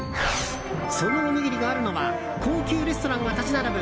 そのおにぎりがあるのは高級レストランが立ち並ぶ